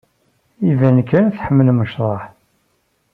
Iban kan tḥemmlem ccḍeḥ.